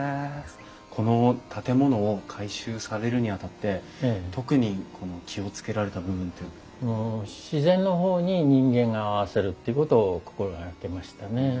この建物を改修されるにあたって特に気を付けられた部分って。っていうことを心掛けましたね。